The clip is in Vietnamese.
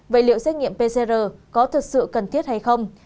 vậy liệu xét nghiệm pcr có thực sự cần thiết hay không